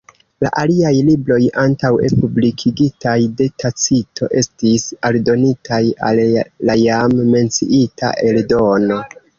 La aliaj libroj antaŭe publikigitaj de Tacito estis aldonitaj al la jam menciita eldono.